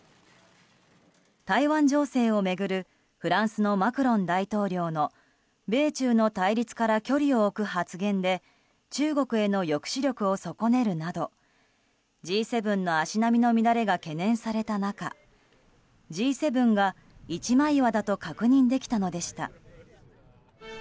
台湾情勢を巡るフランスのマクロン大統領の米中の対立から距離を置く発言で中国への抑止力を損ねるなどＧ７の足並みの乱れが懸念された中Ｇ７が一枚岩だと確認できたのでした。